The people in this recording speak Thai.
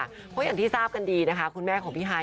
เพราะอย่างที่ทราบกันดีนะคะคุณแม่ของพี่ฮาย